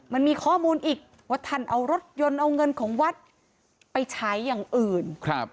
มันมีข้อมูลอีกว่าท่านเอารถยนต์เอาเงินของวัดไปใช้อย่างอื่น